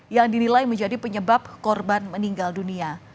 yang dinilai menjadi penyebab korban meninggal dunia